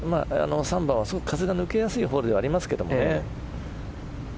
３番は風が抜けやすいホールではありますけどね。